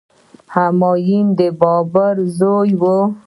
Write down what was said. همایون د بابر زوی و.